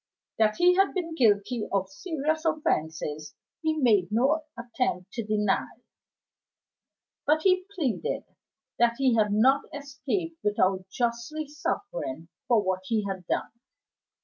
That he had been guilty of serious offenses he made no attempt to deny; but he pleaded that he had not escaped without justly suffering for what he had done.